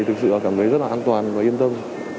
thực sự cảm thấy rất là an toàn và yên tâm